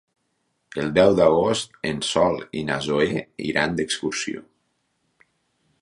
El deu d'agost en Sol i na Zoè iran d'excursió.